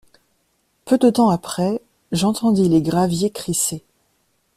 Peu de temps après, j’entendis les graviers crisser.